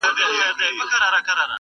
زه به مي غزل ته عاطفې د سایل واغوندم,